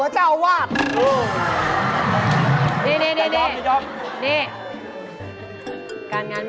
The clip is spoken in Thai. จริง